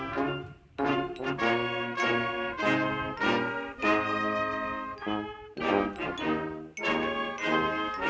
pancasila tahun dua ribu dua puluh satu